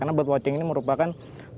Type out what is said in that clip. karena bird watching ini merupakan